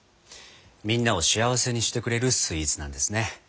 みんなを幸せにしてくれるスイーツなんですね。